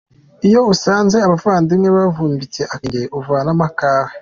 Iyo usanze abavandimwe bavumbitse akarenge uvanamo akawe.